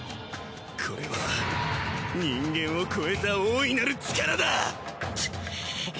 これは人間を超えた大いなる力だ！！